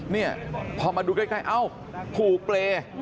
นี่พอมาดูใกล้เอ้าผูกเปรย์